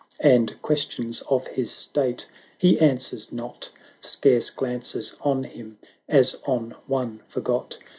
And questions of his state; he answers not. Scarce glances on him as on one forgot.